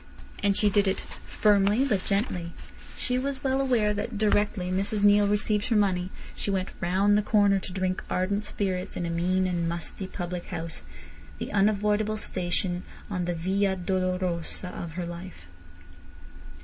And she did it firmly but gently. She was well aware that directly Mrs Neale received her money she went round the corner to drink ardent spirits in a mean and musty public house—the unavoidable station on the via dolorosa of her life.